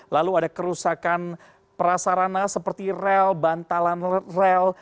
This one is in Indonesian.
lalu ada kerusakan prasarana seperti rel bantalan rel